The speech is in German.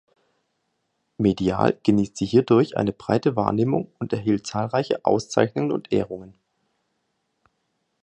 Medial genießt sie hierdurch eine breite Wahrnehmung und erhielt zahlreiche Auszeichnungen und Ehrungen.